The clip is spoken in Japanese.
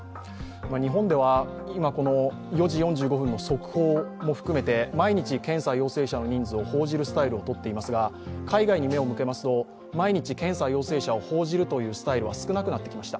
日本では今、４時４５分の速報を含めて毎日、検査、陽性者の人数を報じるスタイルをとっていますが海外に目を向けますと、毎日、検査ま・陽性者を伝えるスタイルは少なくなってきました。